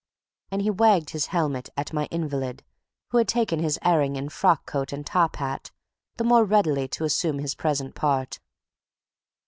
And he wagged his helmet at my invalid, who had taken his airing in frock coat and top hat, the more readily to assume his present part.